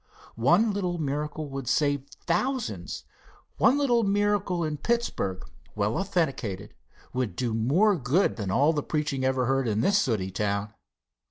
One little miracle would save thousands. One little miracle in Pittsburg, well authenticated, would do more good than all the preaching ever heard in this sooty town.